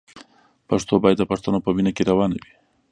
پښتو باید د پښتنو په وینه کې روانه وي.